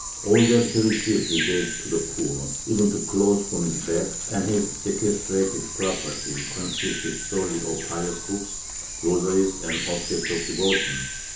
All that he received he gave to the poor, even to clothes from his back, and his sequestrated property con sisted solely of pious books, rosaries and objects of devotion.